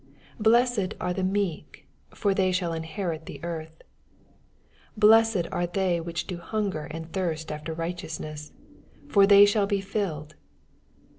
5 Blessed are the meek ; for they ■hall inherit the earth. 6 Blessed are the^ which do hunger aud thirst after righteousness : for they shall be filled.